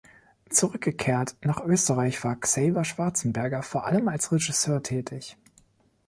Zurückgekehrt nach Österreich war Xaver Schwarzenberger vor allem als Regisseur tätig.